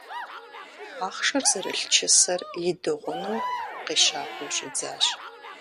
Ахъшэр зэрылъ чысэр идыгъуну къещакӀуэу щӀидзащ.